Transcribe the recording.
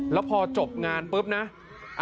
แล้วพอจบงานปุ๊บนะ